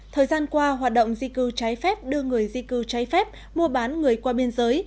thời gian qua hoạt động di cư trái phép đưa người di cư trái phép mua bán người qua biên giới